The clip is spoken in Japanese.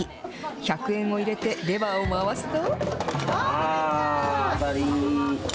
１００円を入れてレバーを回すと。